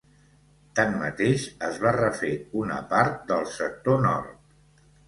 Tanmateix, es va refer una part del sector nord.